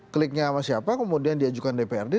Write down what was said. kliknya sama siapa kemudian diajukan dprd